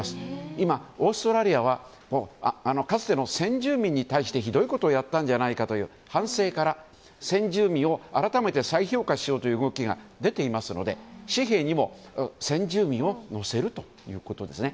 今、オーストラリアはかつて、先住民に対してひどいことをやったんじゃないかという反省から先住民を改めて再評価しようという動きが出ていますので紙幣にも先住民を載せるということですね。